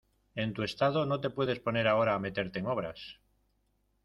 en tu estado no te puedes poner ahora a meterte en obras